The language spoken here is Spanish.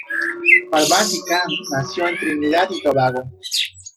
Parvati Khan nació en Trinidad y Tobago.